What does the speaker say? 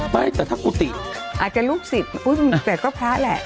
ไม่แต่ถ้ากุฏิอาจจะลูกศิษย์แต่ก็พระแหละ